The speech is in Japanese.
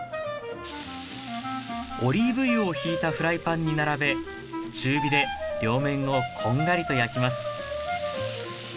オリーブ油をひいたフライパンに並べ中火で両面をこんがりと焼きます